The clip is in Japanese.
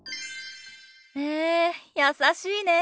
へえ優しいね。